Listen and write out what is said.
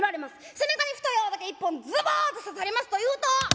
背中に太い青竹１本ズボッと刺さりますというと。